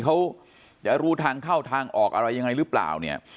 เขาจะรู้ทางเข้าทางออกอะไรยังไงหรือเปล่าเนี่ย